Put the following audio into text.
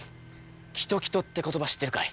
「きときと」って言葉知ってるかい？